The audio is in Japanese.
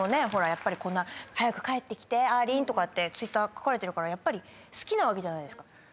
やっぱりこんな「早く帰って来てアーリン」とかってＴｗｉｔｔｅｒ書かれてるからやっぱり好きなわけじゃないですか？